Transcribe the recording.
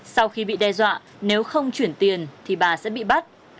sau khi bị đe dọa nếu không chuyển tiền thì bà sẽ bị bắt